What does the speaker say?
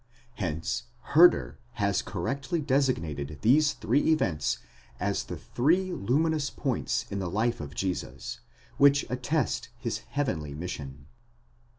Hence Herder has correctly desig nated these three events as the three luminous points in the life of Jesus, which attest his heavenly mission.